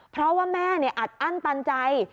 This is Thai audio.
เพราะว่าแม่อัดอั้นตันใจ